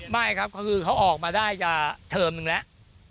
ไม่ครับเขาก็ออกมาได้จากเทอมนึงแหละ